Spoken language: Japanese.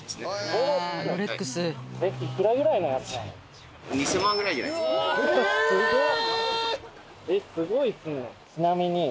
おすごい。